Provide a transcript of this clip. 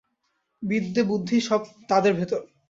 বিদ্যে বুদ্ধি সব তাদের ভেতর।